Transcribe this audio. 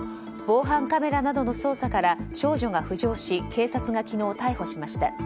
防犯カメラなどの捜査から少女が浮上し、警察が昨日逮捕しました。